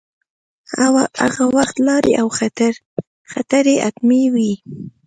هغه وخت لارې او خطرې حتمې وې.